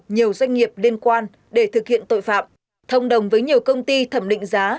nhiều doanh nghiệp liên quan để thực hiện tội phạm thông đồng với nhiều công ty thẩm định giá